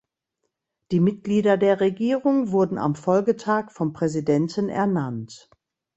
Die Mitglieder der Regierung wurden am Folgetag vom Präsidenten ernannt.